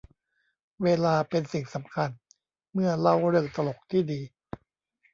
เวลาเป็นสิ่งสำคัญเมื่อเล่าเรื่องตลกที่ดี